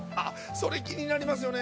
それ気になりますよね。